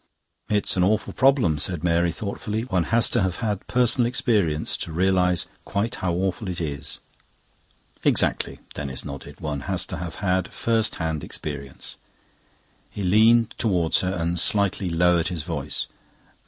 "It's an awful problem," said Mary thoughtfully. "One has to have had personal experience to realise quite how awful it is." "Exactly." Denis nodded. "One has to have had first hand experience." He leaned towards her and slightly lowered his voice.